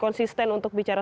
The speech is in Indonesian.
konsisten untuk bicara